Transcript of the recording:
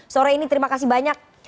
sore ini terima kasih banyak